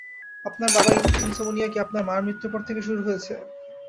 আপনার বাবার ইনসমনিয়া কি আপনার মার মৃত্যুর পর থেকে শুরু হয়েছে?